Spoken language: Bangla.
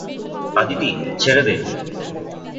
আদিতি, ছেড়ে দে!